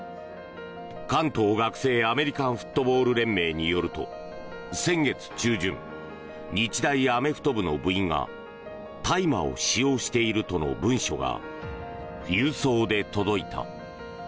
関東学生アメリカンフットボール連盟によると先月中旬日大アメフト部の部員が大麻を使用しているとの文書が郵送で届いた。